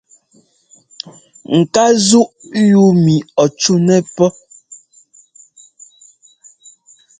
Ŋ ká zúʼ yúu mi ɔ cúnɛ pɔ́.